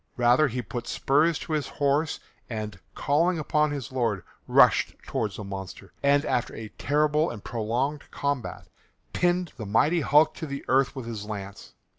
Rather he put spurs to his horse and, calling upon his Lord, rushed towards the monster, and, after a terrible and prolonged combat, pinned the mighty hulk to the earth with his lance.